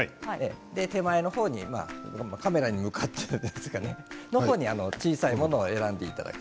手前の方にカメラに向かってですか小さい方を選んでいただく。